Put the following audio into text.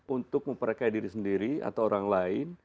untuk memperkaya diri sendiri atau orang lain